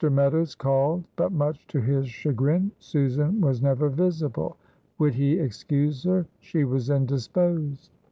Meadows called, but much to his chagrin Susan was never visible. "Would he excuse her? she was indisposed."